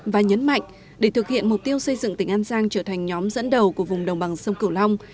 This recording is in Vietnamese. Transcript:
và nhấn mạnh để thực hiện mục tiêu xây dựng tỉnh an giang trở thành nhóm dẫn đầu của vùng đồng bằng sông cửu long